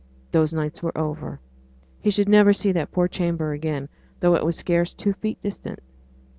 Those nights were over he should never see that poor chamber again, though it was scarce two feet distant.